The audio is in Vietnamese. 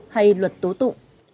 hay luật tố tụ